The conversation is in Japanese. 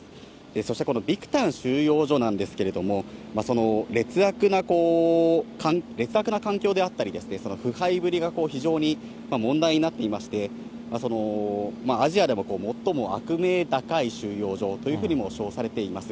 そして、このビクタン収容所なんですけれども、劣悪な環境であったりですとか、腐敗ぶりが非常に問題になっていまして、アジアで最も悪名高い収容所というふうに称されています。